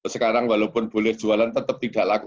sekarang walaupun boleh jualan tetap tidak laku